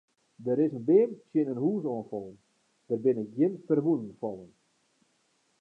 Der is in beam tsjin in hús oan fallen, der binne gjin ferwûnen fallen.